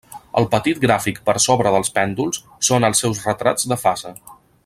El petit gràfic per sobre dels pèndols són els seus retrats de fase.